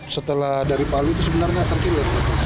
setelah dari palu itu sebenarnya terkilir